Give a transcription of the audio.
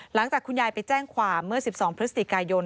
หลังจากคุณยายไปแจ้งความเมื่อ๑๒พฤศจิกายน